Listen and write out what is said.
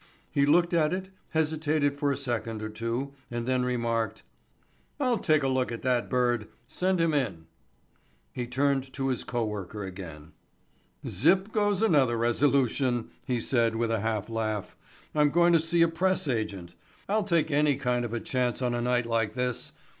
He looked at it, hesitated for a second or two and then remarked: "I'll take a look at that bird. Send him in." He turned to his co worker again. "Zip goes another resolution," he said with a half laugh. "I'm going to see a press agent. I'll take any kind of a chance on a night like this.